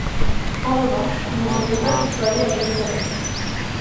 En revanche, il ne semble pas qu'il soit allé à Jérusalem.